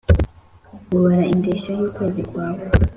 ubara indeshyo y’ukwezi kwawe,